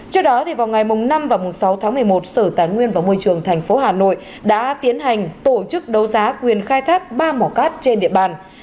trước đó vào ngày năm và sáu tháng một mươi một sở tài nguyên và môi trường tp hà nội đã tiến hành tổ chức đấu giá quyền khai thác ba mỏ cát trên địa bàn